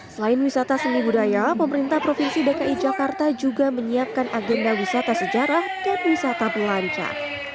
selain wisata seni budaya pemerintah provinsi dki jakarta juga menyiapkan agenda wisata sejarah dan wisata belanja